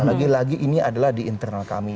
lagi lagi ini adalah di internal kami